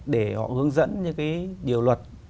để họ hướng dẫn những cái điều luật